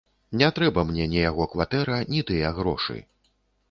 Не трэба мне ні яго кватэра, ні тыя грошы.